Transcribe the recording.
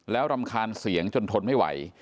แล้วรำคาญเสียงจนทนไม่ไหว